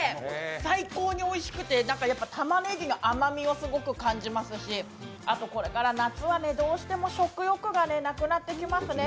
最高においしくて、たまねぎの甘みをすごく感じますしあと、これから夏はどうしても食欲がなくなってきますね。